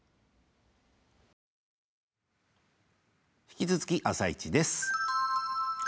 引き続き「あさイチ」です。